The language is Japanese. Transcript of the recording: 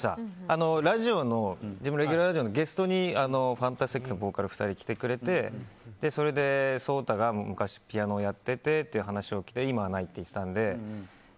ラジオの自分のレギュラーラジオのゲストにボーカルの２人来てくれてそれで颯太が昔ピアノをやっててっていう話をして今はないって言ってたので。